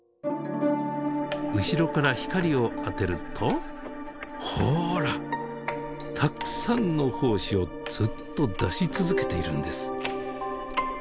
後ろから光を当てるとほらたくさんの胞子をずっと出し続けているんです。